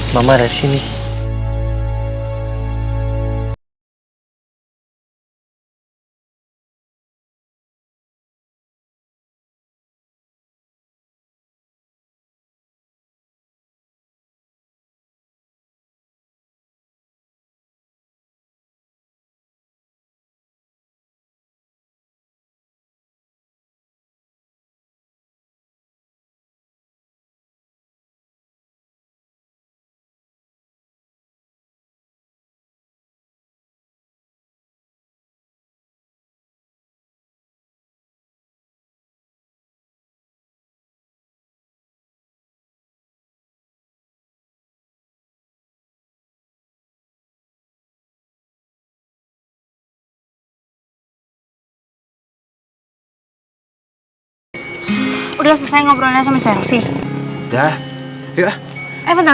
mama ada disini